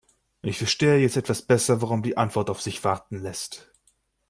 Ich verstehe jetzt etwas besser, warum die Antwort auf sich warten lässt.